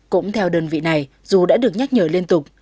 cũng theo đơn vị này dù đã được nhắc nhở liên tục